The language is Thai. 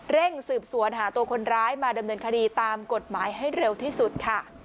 เร่งสืบสวนหาตัวคนร้ายมาดำเนินคดีตามกฎหมายให้เร็วที่สุดค่ะ